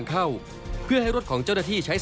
และถนนจะธนที่